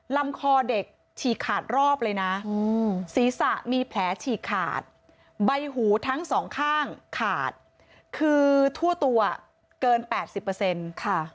ลำคอเด็กฉีกขาดรอบเลยนะศีรษะมีแผลฉีกขาดใบหูทั้งสองข้างขาดคือทั่วตัวเกิน๘๐ค่ะ